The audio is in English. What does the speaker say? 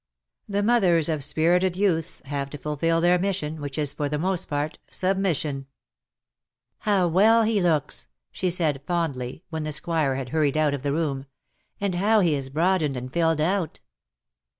The mothers of spirited 66 ^^ LOVE WILL HAVE HIS DAY." youths have to fulfil their mission, which is for the most part submission. " How well he looks \" she said, fondly, when the squire had hurried out of the room ;" and how he has broadened and filled out.